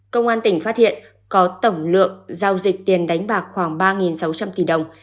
công an tỉnh phát hiện có tổng lượng giao dịch tiền đánh bạc khoảng ba sáu trăm linh tỷ đồng